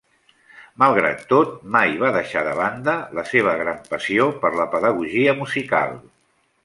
Malgrat tot, mai va deixar de banda la seva gran passió per la pedagogia musical.